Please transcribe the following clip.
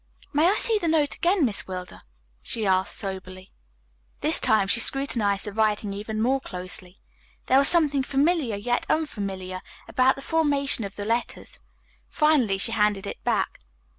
"May I see the note again, Miss Wilder?" she asked soberly. This time she scrutinized the writing even more closely. There was something familiar, yet unfamiliar, about the formation of the letters. Finally she handed it back.